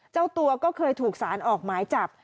เจ้าตัวก็เคยถูกสารออกหมายจับ